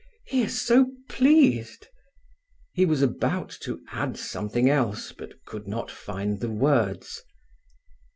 He is so pleased—" He was about to add something else, but could not find the words.